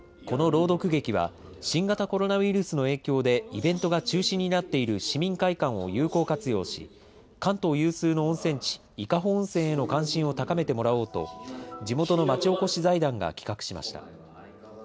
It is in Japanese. この朗読劇は新型コロナの影響でイベントが中止になっている、市民会館を有効活用し、関東有数の温泉地、伊香保温泉への関心を高めてもらおうと、地元の町おこし財団が企画しました。